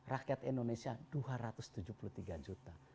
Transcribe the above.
rakyat indonesia dua ratus tujuh puluh tiga juta